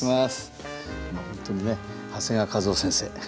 本当にね長谷川一夫先生。